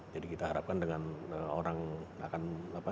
jadi kita harapkan dengan orang akan apa